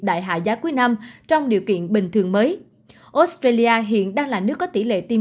đại hạ giá cuối năm trong điều kiện bình thường mới australia hiện đang là nước có tỷ lệ tiêm